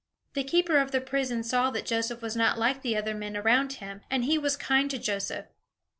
The keeper of the prison saw that Joseph was not like the other men around him, and he was kind to Joseph.